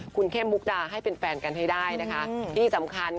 คุณเข้มมุกดาให้เป็นแฟนกันให้ได้นะคะที่สำคัญ